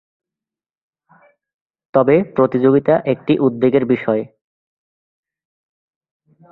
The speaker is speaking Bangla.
তবে প্রতিযোগিতা একটি উদ্বেগের বিষয়।